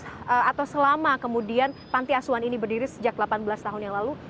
lili menjelaskan bahwa selama kasus atau selama kemudian panti asuhan ini berdiri sejak delapan belas tahun yang lalu